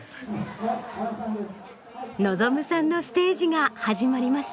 望夢さんのステージが始まります。